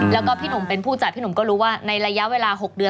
แล้วก็พี่หนุ่มเป็นผู้จัดพี่หนุ่มก็รู้ว่าในระยะเวลา๖เดือน